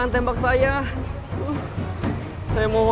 nanti kita akan berbicara